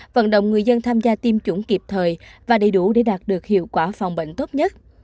vận động người dân tham gia tiêm chủng kịp thời và đầy đủ để đạt được hiệu quả phòng bệnh tốt nhất